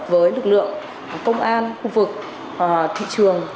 với lực lượng công an khu vực thị trường